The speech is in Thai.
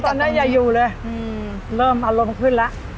ตอนนี้จะอยู่เลยเริ่มอารมณ์ขึ้นละ